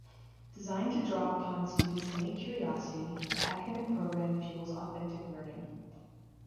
Designed to draw upon students' innate curiosity, the academic program fuels authentic learning.